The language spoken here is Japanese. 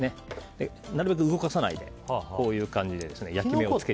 なるべく動かさないでこういう感じで焼き目をつけて。